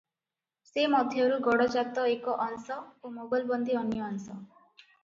ସେ ମଧ୍ୟରୁ ଗଡଜାତ ଏକ ଅଂଶ ଓ ମୋଗଲବନ୍ଦୀ ଅନ୍ୟ ଅଂଶ ।